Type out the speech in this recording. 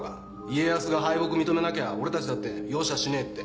家康が敗北認めなきゃ俺たちだって容赦しねえって。